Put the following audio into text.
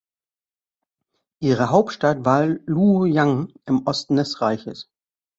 Ihre Hauptstadt war Luoyang im Osten des Reiches.